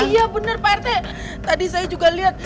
iya benar pak rt tadi saya juga lihat